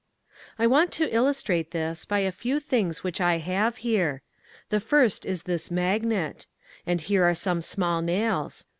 I want to illustrate this by a few things which I have here. The first is this magnet. And here are some small nails.